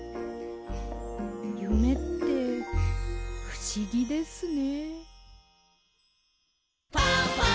ゆめってふしぎですね。